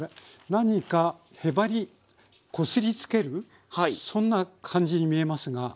何かへばりこすりつけるそんな感じに見えますが。